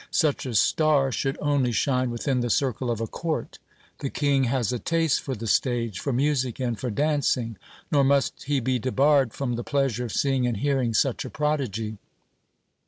Such a star should only shine within the circle of a court. The king has a taste for the stage, for music, and for dancing : nor must he be debarred from the pleasure of seeing and hearing such a prodigy.